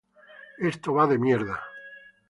esto va de mierda